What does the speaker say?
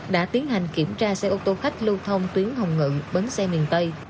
đã tiến hành kiểm tra xe ô tô khách lưu thông tuyến hồng ngự bến xe miền tây